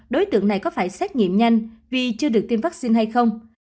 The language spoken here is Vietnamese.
đối tượng này có phải xét nghiệm nhanh vì chưa được tiêm vaccine hay không